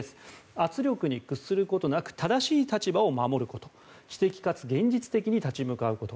圧力に屈することなく正しい立場を守ること知的かつ現実的に立ち向かうこと。